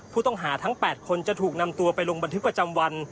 ผู้ต้องหาทั้ง๘คนจะถูกนำตัวไปลงบันทึกประจำวัน